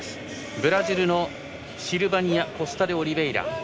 ブラジルのシルバニア・コスタデオリベイラ。